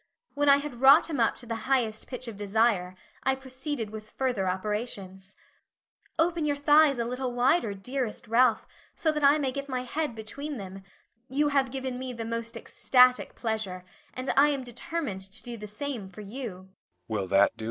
When I had wrought him up to the highest pitch of desire, I proceeded with further operations. "Open your thighs a little wider, dearest Ralph, so that I may get my head between them you have given me the most ecstatic pleasure, and I am determined to do the same for you."